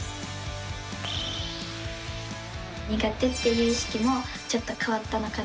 苦手っていう意識もちょっと変わったのかなと。